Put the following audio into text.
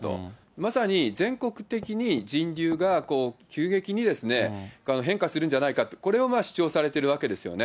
まさに全国的に人流が急激に変化するんじゃないか、これを主張されてるわけですよね。